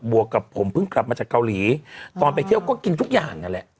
วกกับผมเพิ่งกลับมาจากเกาหลีตอนไปเที่ยวก็กินทุกอย่างนั่นแหละ